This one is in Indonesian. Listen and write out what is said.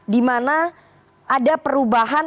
di mana ada perubahan